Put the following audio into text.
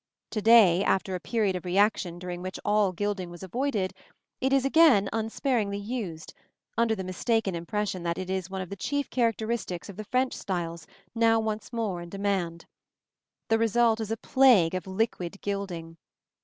To day, after a period of reaction during which all gilding was avoided, it is again unsparingly used, under the mistaken impression that it is one of the chief characteristics of the French styles now once more in demand. The result is a plague of liquid gilding.